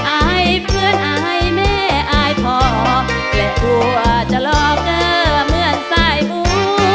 อายเพื่อนอายแม่อายพอและกลัวจะหลอกเออเหมือนสายมู